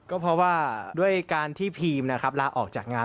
ก็เพราะว่าด้วยการที่พีมนะครับลาออกจากงาน